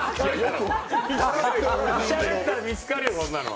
しゃべったら見つかるよ、そんなん。